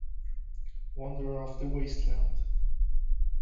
Wanderer of the Wasteland